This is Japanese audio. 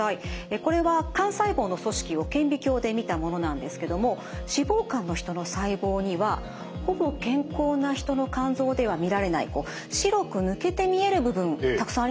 これは肝細胞の組織を顕微鏡で見たものなんですけども脂肪肝の人の細胞にはほぼ健康な人の肝臓では見られない白く抜けて見える部分たくさんありますよね。